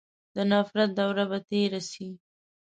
د نفرت دوره به تېره سي.